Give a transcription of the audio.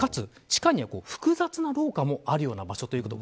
かつ地下には複雑な廊下もあるような場所ということ。